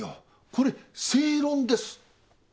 これ正論です。